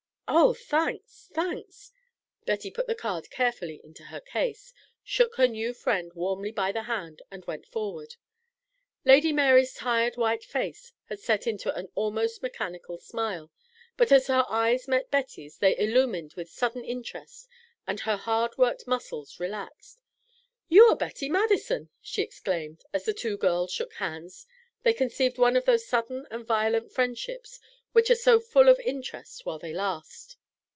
"Oh, thanks! thanks!" Betty put the card carefully into her case, shook her new friend warmly by the hand, and went forward. Lady Mary's tired white face had set into an almost mechanical smile, but as her eyes met Betty's they illumined with sudden interest and her hard worked muscles relaxed. "You are Betty Madison!" she exclaimed. And as the two girls shook hands they conceived one of those sudden and violent friendships which are so full of interest while they last.